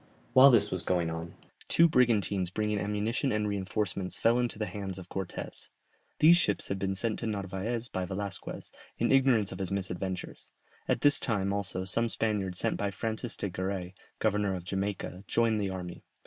While this was going on, two brigantines bringing ammunition and reinforcements fell into the hands of Cortès; these ships had been sent to Narvaez by Velasquez, in ignorance of his misadventures; at this time also some Spaniards sent by Francis de Garay, governor of Jamaica, joined the army.